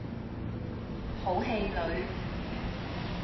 好氣餒